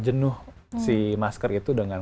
jenuh si masker itu dengan